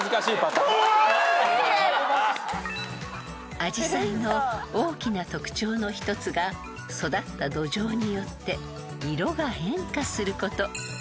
［アジサイの大きな特徴の一つが育った土壌によって色が変化すること］